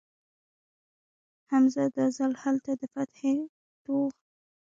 ځمه، دا ځل هلته د فتحې توغ